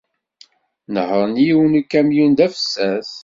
Nehhṛen yiwen n ukamyun d afessas.